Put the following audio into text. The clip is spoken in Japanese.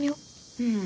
うん。